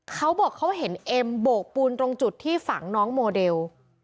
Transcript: เขาบอกเขาเห็นเอ็มโบกปูนตรงจุดที่ฝังน้องโมเดล